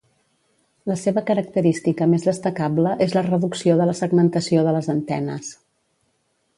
La seva característica més destacable és la reducció de la segmentació de les antenes.